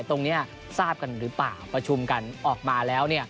ตรงนี้ทราบกันหรือเปล่าประชุมกันออกมาแล้ว